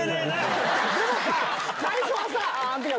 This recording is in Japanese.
でもさ最初は。